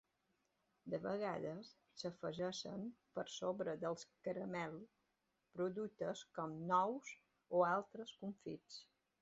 De vegades, s'afegeixen per sobre del caramel productes com nous o altres confits.